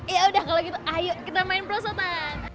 ya udah kalau gitu ayo kita main perosotan